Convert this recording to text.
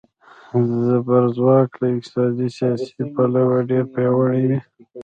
زبرځواک له اقتصادي، سیاسي پلوه ډېر پیاوړي وي.